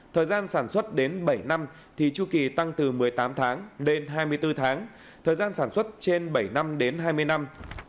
thời gian sản xuất đến bảy năm thì chu kỳ tăng từ một mươi tám tháng lên hai mươi bốn tháng thời gian sản xuất trên bảy năm đến hai mươi năm